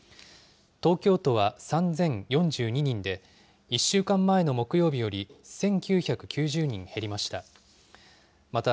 東京都は３０４２人で、１週間前の木曜日より１９９０人減りました。